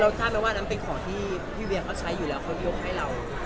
ทราบไหมว่านั้นเป็นของที่พี่เวียเขาใช้อยู่แล้วเขายกให้เรา